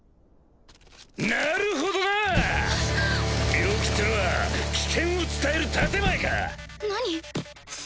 病気ってのは危険を伝える建前か。